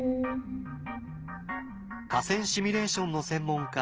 河川シミュレーションの専門家